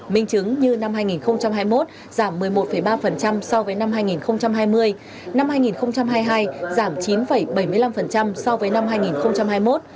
minh chứng như năm hai nghìn hai mươi một giảm một mươi một ba so với năm hai nghìn hai mươi năm hai nghìn hai mươi hai giảm chín bảy mươi năm so với năm hai nghìn hai mươi một